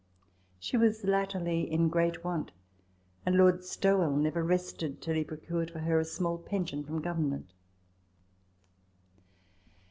She was latterly in great want ; and Lord Stowell never rested till he procured for her a small pension from Government.